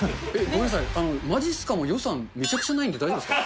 ごめんなさい、まじっすかも予算、めちゃくちゃないんで、大丈夫ですか。